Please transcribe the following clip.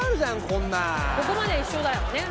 ここまでは一緒だよね。